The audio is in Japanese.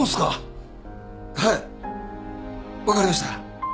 はい分かりました。